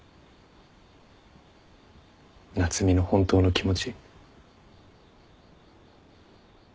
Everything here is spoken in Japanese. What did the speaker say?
夏海の本当の気持ち？